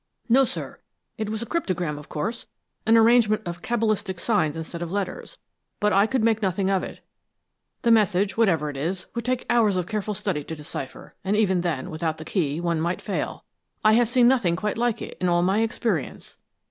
"No, sir. It was a cryptogram, of course an arrangement of cabalistic signs instead of letters, but I could make nothing of it. The message, whatever it is, would take hours of careful study to decipher; and even then, without the key, one might fail. I have seen nothing quite like it, in all my experience."